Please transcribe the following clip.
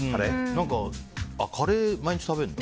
カレー毎日食べるの？